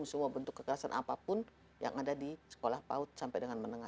sekolah paut sampai dengan menengah